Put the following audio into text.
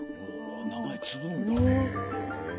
名前継ぐんだ⁉へえ。